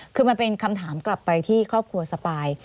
คือมันเป็นคำถามกลับไปที่ครอบครัวสปาย